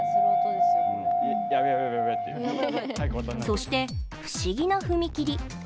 そして、不思議な踏切。